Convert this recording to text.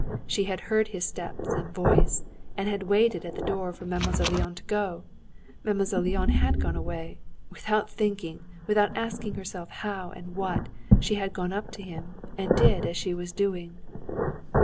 She had heard his steps and voice, and had waited at the door for Mademoiselle Linon to go. Mademoiselle Linon had gone away. Without thinking, without asking herself how and what, she had gone up to him, and did as she was doing.